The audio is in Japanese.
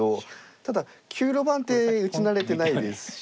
ただ９路盤って打ち慣れてないですし。